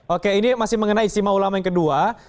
oke ini masih mengenai istimewa ulama yang kedua